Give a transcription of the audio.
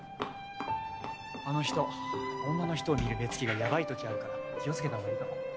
あの人女の人を見る目つきがやばいときあるから気を付けた方がいいかも。